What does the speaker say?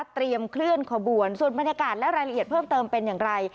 เคลื่อนขบวนส่วนบรรยากาศและรายละเอียดเพิ่มเติมเป็นอย่างไร